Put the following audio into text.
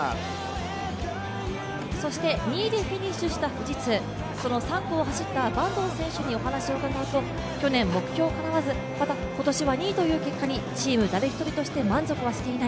そして２位でフィニッシュした富士通、３区を走った坂東選手にお話を伺うと去年、目標かなわず、また今年は２位という結果にチーム誰一人として満足はしていない。